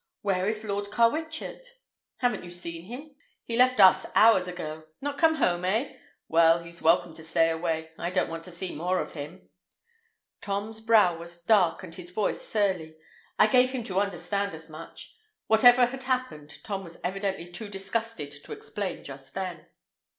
"Where is Lord Carwitchet?" "Haven't you seen him? He left us hours ago. Not come home, eh? Well, he's welcome to stay away. I don't want to see more of him." Tom's brow was dark and his voice surly. "I gave him to understand as much." Whatever had happened, Tom was evidently too disgusted to explain just then.